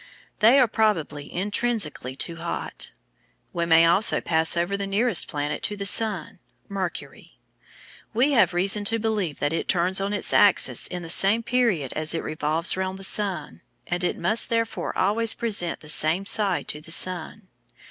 They are probably intrinsically too hot. We may also pass over the nearest planet to the sun, Mercury. We have reason to believe that it turns on its axis in the same period as it revolves round the sun, and it must therefore always present the same side to the sun.